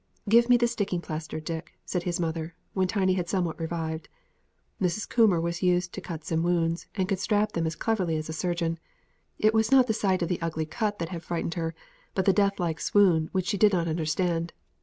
"Give me the sticking plaster, Dick," said his mother, when Tiny had somewhat revived. Mrs. Coomber was used to cuts and wounds, and could strap them up as cleverly as a surgeon. It was not the sight of the ugly cut that had frightened her, but the death like swoon, which she did not understand.